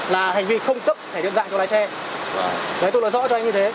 là hành vi không cấp thẻ nhận dạng cho lái xe đấy tôi nói rõ cho anh như thế